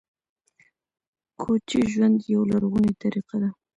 کوچي ژوند یوه لرغونې طریقه ده